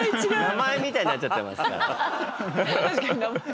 名前みたいになっちゃってますから。